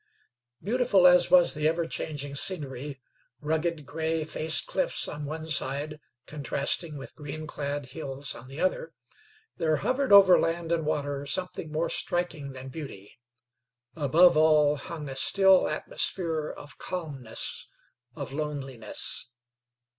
Beautiful as was the ever changing scenery, rugged gray faced cliffs on one side contrasting with green clad hills on the other, there hovered over land and water something more striking than beauty. Above all hung a still atmosphere of calmness of loneliness.